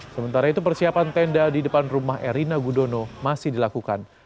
sementara itu persiapan tenda di depan rumah erina gudono masih dilakukan